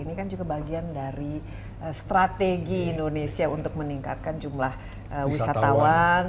ini kan juga bagian dari strategi indonesia untuk meningkatkan jumlah wisatawan